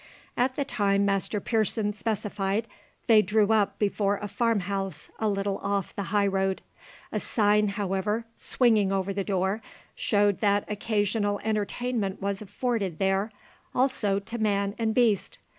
At the time Master Pearson specified, they drew up before a farm house a little off the high road. A sign, however, swinging over the door showed that occasional entertainment was afforded there also to man and beast.